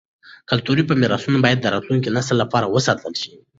کلتوري میراثونه باید د راتلونکي نسل لپاره وساتل شي.